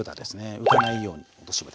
浮かないように落としぶたします。